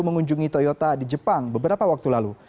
mengunjungi toyota di jepang beberapa waktu lalu